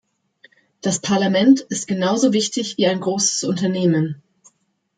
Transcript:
Das Parlament ist genau so wichtig wie ein großes Unternehmen.